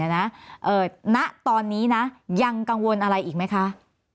ณตอนนี้นะยังกังวลอะไรอีกไหมคะ